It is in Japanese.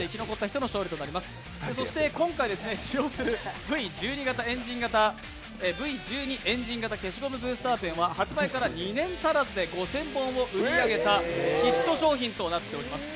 そして今回、使用するＶ１２エンジン型消しゴムブースターペンは発売から２年足らずで５０００本を売り上げたヒット商品となっています。